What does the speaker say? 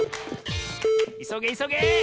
いそげいそげ！